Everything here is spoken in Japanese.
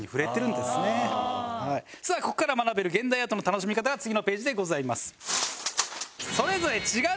ここから学べる現代アートの楽しみ方が次のページでございます。